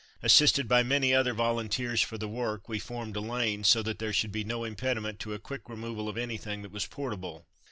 Assisted by many other volunteers for the work we formed a lane so that there should be no impediment to a quick removal of anything that was portable.